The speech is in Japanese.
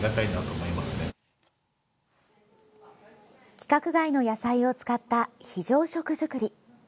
規格外の野菜を使った非常食作り。